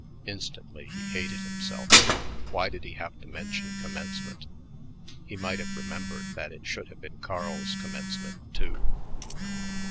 Instantly he hated himself. Why did he have to mention commencement? He might have remembered that it should have been Carl's commencement, too.